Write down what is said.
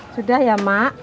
sudah ya mak